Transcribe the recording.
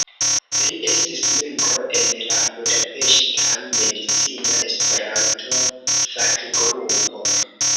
Li estis membro en la Budapeŝta Medicina Esperanto-Fakgrupo.